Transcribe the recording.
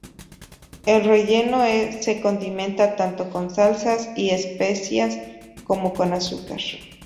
El relleno se condimenta tanto con salsas y especias como con azúcar.